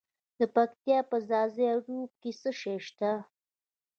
د پکتیا په ځاځي اریوب کې څه شی شته؟